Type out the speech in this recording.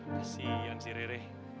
kasian si rere